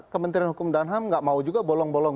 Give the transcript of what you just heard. kementerian hukum dan ham gak mau juga bolong bolong